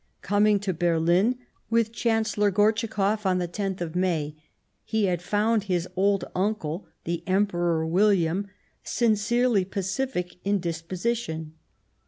Coming to Bcrhn with the Chancellor Gortschakoff on the loth of May, he had found his old uncle, the Em peror William, sincerely pacific in disposition.